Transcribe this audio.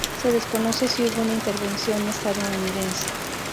Se desconoce si hubo una intervención estadounidense.